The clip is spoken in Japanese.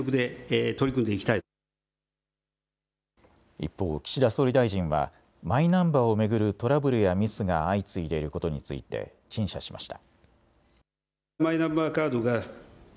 一方、岸田総理大臣はマイナンバーを巡るトラブルやミスが相次いでいることについて陳謝しました。